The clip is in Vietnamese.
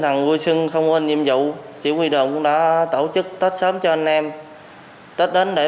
thần vui xuân không quên nhiệm vụ chỉ huy đồn cũng đã tổ chức tết sớm cho anh em tết đến để